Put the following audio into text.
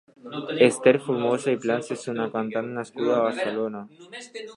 Ester Formosa i Plans és una cantant nascuda a Barcelona.